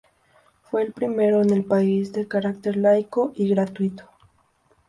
Fue el primero en el país de carácter laico y gratuito.